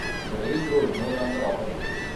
The railroad no longer operates.